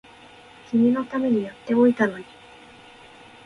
君のためにやっておいたのに